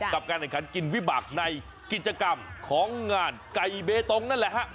กับการแข่งขันกินวิบากในกิจกรรมของงานไก่เบตงนั่นแหละฮะ